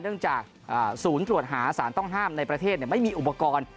เนื่องจากศูนย์ตรวจหาสารต้องห้ามในประเทศไม่มีอุปกรณ์